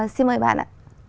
xin mời bạn ạ